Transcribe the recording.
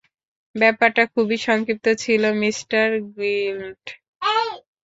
ব্যাপারটা খুবই সংক্ষিপ্ত ছিল, মিস্টার গ্রিন্ডল।